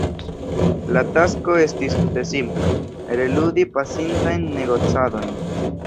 La tasko estis tute simpla: reludi pasintajn negocadojn.